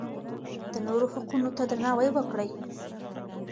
د نورو حقونو ته درناوی وکړئ.